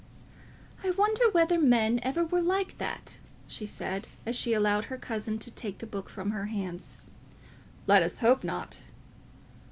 "I wonder whether men ever were like that?" she said, as she allowed her cousin to take the book from her hands. "Let us hope not."